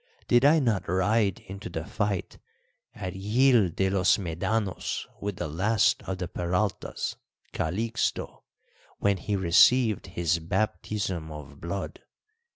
Did I not ride into the fight at Gil de los Medanos with the last of the Peraltas, Calixto, when he received his baptism of blood?